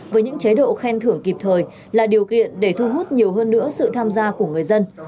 với những chế độ khen thưởng kịp thời là điều kiện để thu hút nhiều hơn nữa sự tham gia của người dân